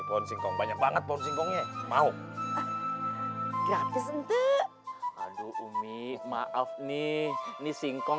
pohon singkong banyak banget pohon singkongnya mau gratis untuk aduh umi maaf nih ini singkong